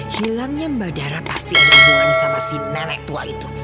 hilangnya mbak dara pasti ada hubungannya sama si nenek tua itu